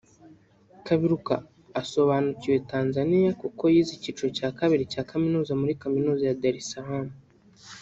Kaberuka asobanukiwe Tanzania kuko yize icyiciro cya kabiri cya Kaminuza muri Kaminuza ya Dar es Salaam